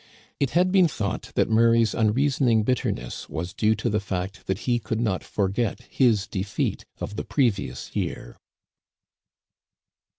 It had been thought that Murray's unreasoning bitter ness was due to the fact that he could not forget his defeat of the previous year.